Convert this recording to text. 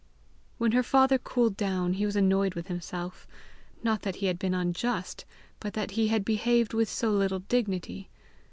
When her father cooled down, he was annoyed with himself, not that he had been unjust, but that he had behaved with so little dignity.